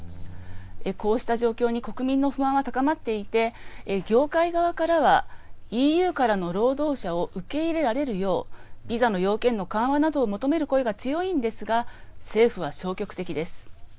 こうした状況に国民の不安は高まっていて業界側からはＥＵからの労働者を受け入れられるようビザの要件の緩和などを求める声が強いんですが、政府は消極的です。